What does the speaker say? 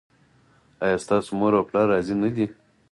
ایا ستاسو مور او پلار راضي نه دي؟